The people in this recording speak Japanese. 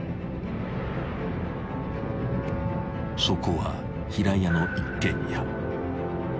［そこは平屋の一軒家］